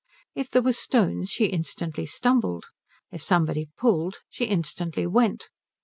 If there were stones, she instantly stumbled; if somebody pulled, she instantly went.